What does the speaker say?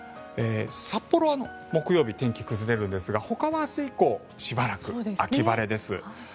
札幌は木曜日、天気崩れるんですがほかは明日以降しばらく秋晴れです。